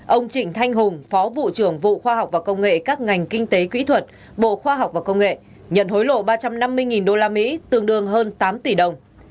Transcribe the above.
ông trịnh thanh hùng phó vụ trưởng vụ khoa học và công nghệ các ngành kinh tế kỹ thuật bộ khoa học và công nghệ nhận hối lộ ba trăm năm mươi usd tương đương hơn tám tỷ đồng